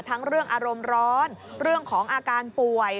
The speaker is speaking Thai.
ทั้งเรื่องอารมณ์ร้อนเรื่องของอาการป่วย